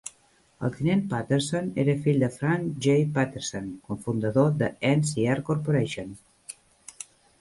El tinent Patterson era fill de Frank J. Patterson, cofundador de NCR corporation.